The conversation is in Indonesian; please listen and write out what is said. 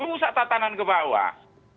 usah tatanan ke bawah